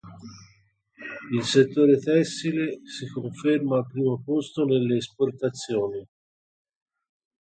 Il settore tessile si conferma al primo posto nelle esportazioni.